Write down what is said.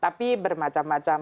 tapi bermacam macam kasus